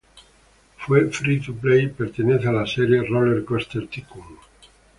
Fue free-to-play y pertenece a la serie "RollerCoaster Tycoon".